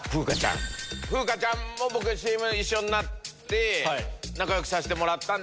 風花ちゃんもＣＭ一緒になって仲良くさせてもらったんで。